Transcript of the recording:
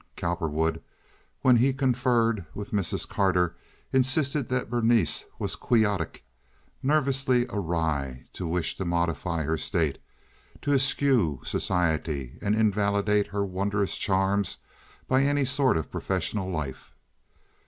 Cowperwood, when he conferred with Mrs. Carter, insisted that Berenice was quixotic, nervously awry, to wish to modify her state, to eschew society and invalidate her wondrous charm by any sort of professional life.